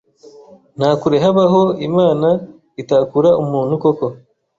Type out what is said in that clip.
Nta kure habaho Imna itakura umuntu koko